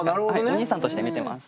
お兄さんとして見てます。